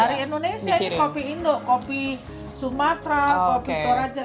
dari indonesia ini kopi indo kopi sumatra kopi toraja